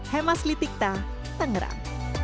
hema slitikta tangerang